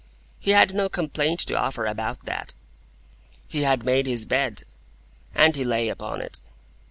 He had no complaint to offer about that. He had made his bed, and he lay upon it.